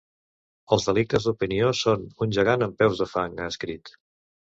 Els delictes d’opinió són un gegant amb peus de fang, ha escrit.